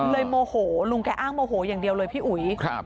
โมโหลุงแกอ้างโมโหอย่างเดียวเลยพี่อุ๋ย